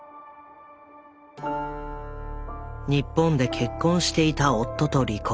日本で結婚していた夫と離婚。